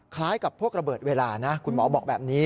คล้ายกับพวกระเบิดเวลานะคุณหมอบอกแบบนี้